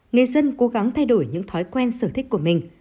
người dân cố gắng thay đổi những thói quen sở thích của mình